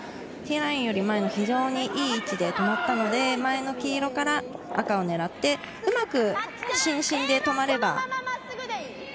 ティーラインより前の非常に良い位置で止まったので、前の黄色から赤を狙って、うまく芯と芯で止まれば。